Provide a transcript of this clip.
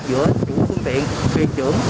giữa chủ phương tiện thuyền trưởng